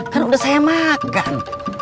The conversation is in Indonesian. kan udah saya makan